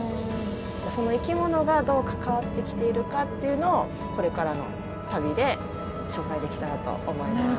その生き物がどう関わってきているかっていうのをこれからの旅で紹介できたらと思います。